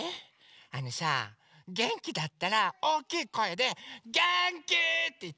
あのさげんきだったらおおきいこえで「げんき！」っていって。